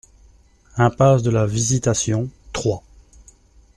Impasse de la Visitation, Troyes